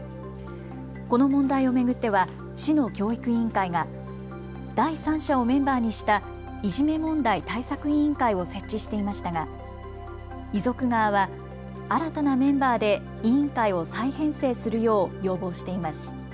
この問題を巡っては市の教育委員会が第三者をメンバーにしたいじめ問題対策委員会を設置していましたが遺族側は新たなメンバーで委員会を再編成するよう要望しています。